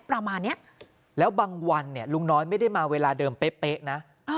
ประมาณนี้แล้วบางวันเนี่ยลุงน้อยไม่ได้มาเวลาเดิมเป๊ะนะ